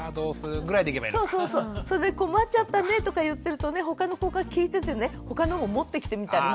それで「こまっちゃったね」とか言ってるとね他の子が聞いててね他のも持ってきてみたり。